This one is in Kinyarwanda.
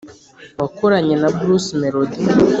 wakoranye na bruce melody